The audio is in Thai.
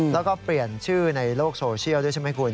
แล้วก็เปลี่ยนชื่อในโลกโซเชียลด้วยใช่ไหมคุณ